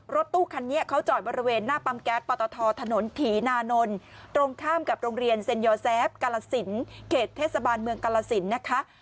รถตู้คันนี้เขาจอดบริเวณหน้าปั๊มแก๊สปอตทถนนถีนานนท์ตรงข้ามกับโรงเรียนเซ็นยอแซฟกาลสินเขตเทศบาลเมืองกาลสินนะคะ